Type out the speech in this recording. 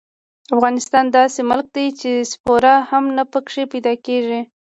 افغانستان داسې ملک دې چې سپوره هم نه پکې پیدا کېږي.